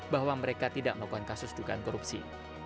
bahwa mereka tidak melakukan kasus dugaan korupsi